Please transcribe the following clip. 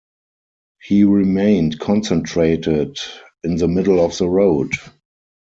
He remained concentrated in the middle of the road.